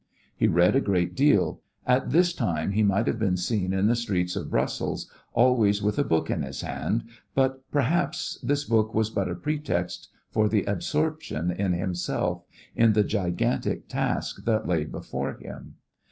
He read a great deal. At this time he might have been seen in the streets of Brussels always with a book in his hand, but perhaps this book was but a pretext for the absorption in himself, in the gigantic task that lay before him.